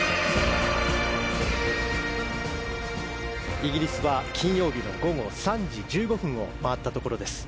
イギリスは金曜日の午後３時１５分を回ったところです。